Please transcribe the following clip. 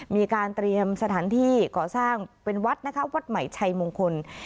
มีการเตรียมสถานที่ก่อสร้างเป็นวัดนะคะวัดใหม่ชัยมงคล